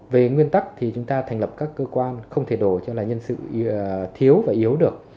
về nguyên tắc thì chúng ta thành lập các cơ quan không thể đổ cho là nhân sự thiếu và yếu được